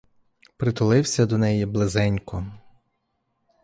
Притулився до неї близенько.